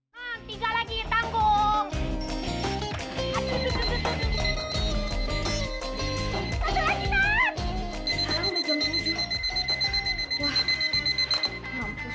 sampai jumpa di video selanjutnya